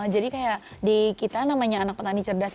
jadi kayak di kita namanya anak petani cerdas